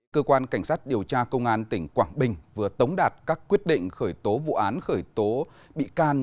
cơ quan cảnh sát điều tra công an tỉnh quảng bình vừa tống đạt các quyết định khởi tố vụ án khởi tố bị can